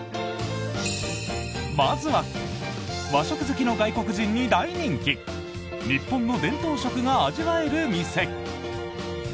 まずは和食好きの外国人に大人気日本の伝統食が味わえる店。